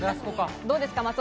どうですか？